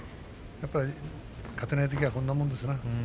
やっぱり勝てないときはこんなもんですな。